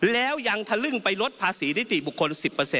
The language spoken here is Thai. แล้วยังทะลึ่งไปลดภาษีนิติบุคคล๑๐